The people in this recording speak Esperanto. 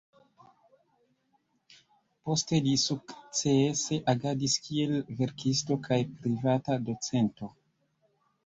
Poste li sukcese agadis kiel verkisto kaj privata docento.